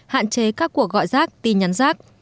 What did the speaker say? hạn chế các cuộc gọi rác tin nhắn rác